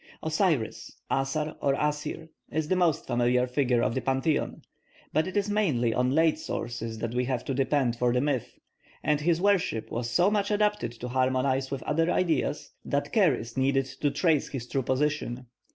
+Osiris+ (Asar or Asir) is the most familiar figure of the pantheon, but it is mainly on late sources that we have to depend for the myth; and his worship was so much adapted to harmonise with other ideas, that care is needed to trace his true position.